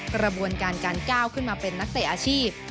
กระบวนการการก้าวขึ้นมาเป็นนักเตะอาชีพ